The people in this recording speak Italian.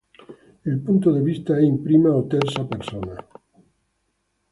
Il punto di vista è in prima o terza persona.